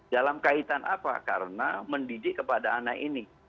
dalam kaitan apa karena mendidik kepada anak ini